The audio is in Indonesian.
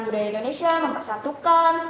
budaya indonesia mempersatukan